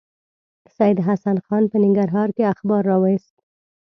سید حسن خان په ننګرهار کې اخبار راوایست.